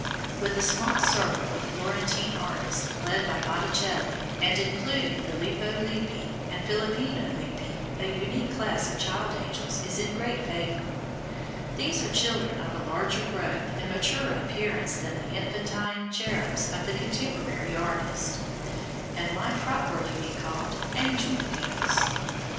With a small circle of Florentine artists, led by Botticelli, and including Filippo Lippi and Filippino Lippi, a unique class of child angels is in great favor. These are children of a larger growth and maturer appearance than the infantine cherubs of contemporary artists, and might properly be called angel youths.